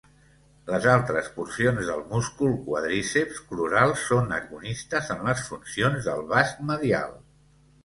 Les altres porcions del múscul quàdriceps crural són agonistes en les funcions del vast medial.